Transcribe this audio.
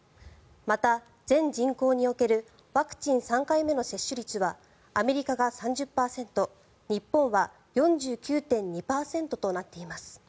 また、全人口におけるワクチン３回目の接種率はアメリカが３０％日本は４９．２％となっています。